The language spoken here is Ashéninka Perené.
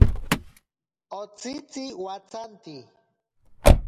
Otsitzi watsanti.